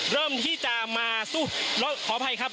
เริ่มที่จะมาสู้ขออภัยครับ